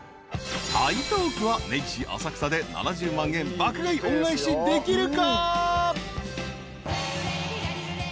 ［台東区は根岸浅草で７０万円爆買い恩返しできるか？］